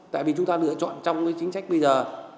tại vì chúng ta lựa chọn trong cái chính trách bây giờ